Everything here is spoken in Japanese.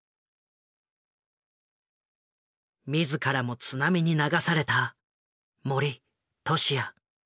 自らも津波に流された森闘志也。